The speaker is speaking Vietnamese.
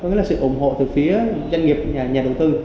có nghĩa là sự ủng hộ từ phía doanh nghiệp nhà đầu tư